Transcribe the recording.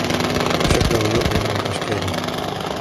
وَشَكْلُهُ يُؤَمِّنُ مِنْ إشْكَالِهِ